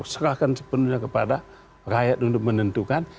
serahkan sepenuhnya kepada rakyat untuk menentukan